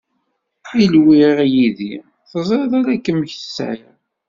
Ilwiɣ yid-i, teẓriḍ ala kem i sɛiɣ